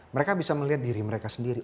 mereka bisa melihat diri mereka sendiri